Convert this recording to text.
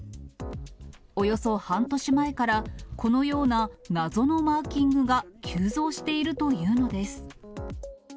およそ半年前から、このような謎のマーキングが急増しているというのです。